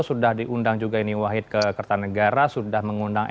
sudah diundang juga ini wahid ke kertanegara sudah mengundang